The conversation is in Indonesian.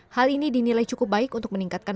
hal ini dinilai cukup baik untuk meningkatkan